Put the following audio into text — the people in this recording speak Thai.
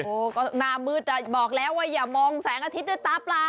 โอ้โหก็หน้ามืดบอกแล้วว่าอย่ามองแสงอาทิตย์ด้วยตาเปล่า